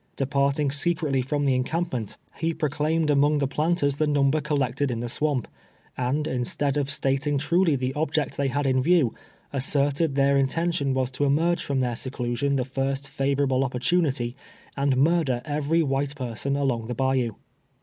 Dei)arting secretly from the encamp 248 TWELVE TEARS A SLATE. ment, lie procl:iinied mnonjj^ the planters the number collected in the swamp, and, instead ofstatin<^ truly the object they had in ^•ie^\■, asserted their intentii»n was to emer<)^e from their seclusion the iirst f:ivora])le opportunity, and murder every white person along the bayou.